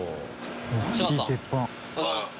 谷口Ｄ）おはようございます。